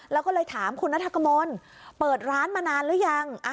แล้วก็เลยถามคุณนัทกมลเปิดร้านมานานหรือยัง